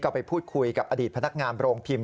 ไปพูดคุยกับอดีตพนักงานโรงพิมพ์